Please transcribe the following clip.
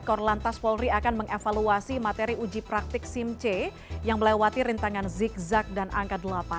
korlantas polri akan mengevaluasi materi uji praktik sim c yang melewati rintangan zigzag dan angka delapan